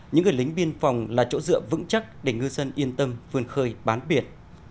những người lính biên phòng là chỗ dựa vững chắc để ngư dân yên tâm vươn khơi bám biệt